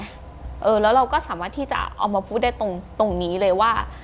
แล้วเราก็สามารถที่จะเอามาพูดได้ตรงนี้เลยว่า